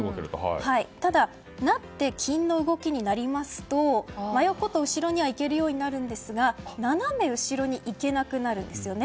ただ成って金の動きになりますと真横と後ろには行けるようになるんですが斜め後ろに行けなくなるんです。